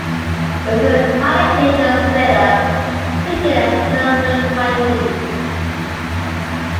It was a minor hit in Australia, peaking at number twenty.